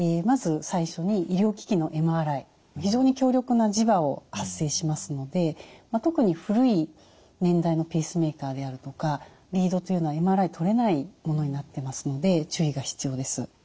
非常に強力な磁場を発生しますので特に古い年代のペースメーカーであるとかリードというのはＭＲＩ撮れないものになってますので注意が必要です。